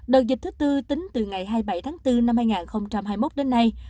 đợt dịch thứ tư tính từ ngày hai mươi bảy tháng bốn năm hai nghìn hai mươi một đến nay